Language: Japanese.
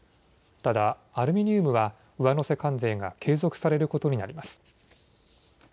ただ、アルミニウムは上乗せ関税が継続されることになります。